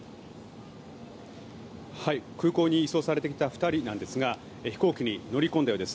空港に移送されてきた２人なんですが飛行機に乗り込んだようです。